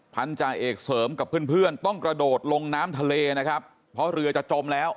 พันธาเอกเสริมกับเพื่อนเพื่อนต้องกระโดดลงน้ำทะเลนะครับเพราะเรือจะจมแล้ว